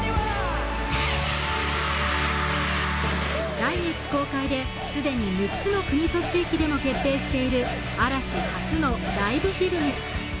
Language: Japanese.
来月公開で、既に６つの国と地域でも決定している嵐、初のライブフィルム。